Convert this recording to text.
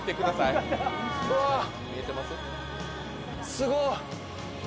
すごっ。